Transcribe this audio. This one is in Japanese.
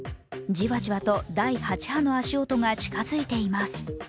じわじわと第８波の足音が近づいています。